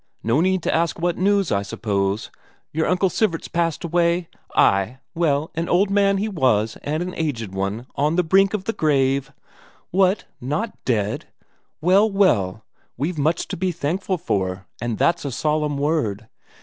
No need to ask what news, I suppose? Your Uncle Sivert's passed away? Ay, well, an old man he was and an aged one, on the brink of the grave. What not dead? Well, well, we've much to be thankful for, and that's a solemn word!